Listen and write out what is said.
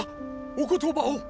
お言葉を！